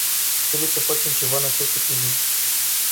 Trebuie să facem ceva în această privință.